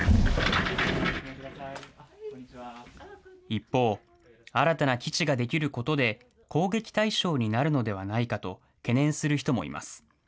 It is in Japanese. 一方、新たな基地が出来ることで、攻撃対象になるのではないかと懸念する人もいます。